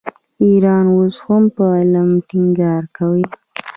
ایران اوس هم په علم ټینګار کوي.